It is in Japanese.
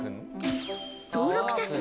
登録者数